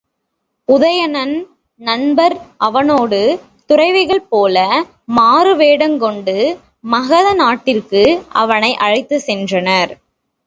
உதயணன் நண்பர் அவனோடு துறவிகள்போல மாறுவேடங் கொண்டு மகத நாட்டிற்கு அவனை அழைத்துச் சென்றனர்.